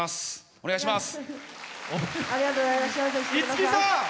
お願いします。